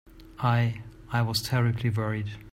I—I was terribly worried.